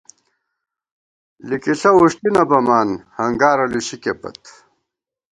لِکِݪہ وُݭٹی نہ بَمان ، ہنگارہ لُشِکے پت